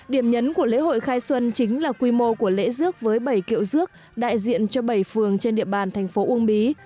điểm nhấn của lễ hội khai xuân chính là quy mô của lễ dước với bảy kiệu rước đại diện cho bảy phường trên địa bàn thành phố uông bí